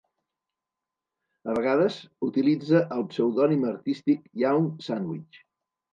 A vegades utilitza el pseudònim artístic Young Sandwich.